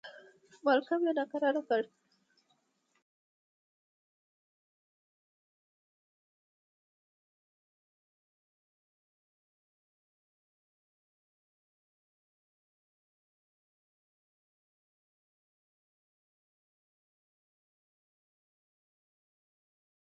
د دوی د لوبو د بریاوو په اړه ټول افغانان خوشاله دي.